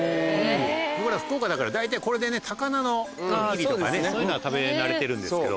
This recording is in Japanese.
僕ら福岡だから大体これでね高菜のおにぎりとかねそういうのは食べ慣れてるんですけど。